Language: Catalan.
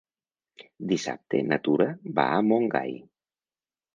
Dissabte na Tura va a Montgai.